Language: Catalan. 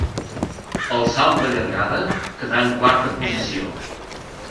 Al salt de llargada quedà en quarta posició.